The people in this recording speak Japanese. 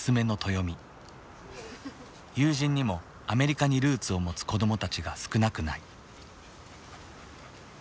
友人にもアメリカにルーツを持つ子どもたちが少なくない。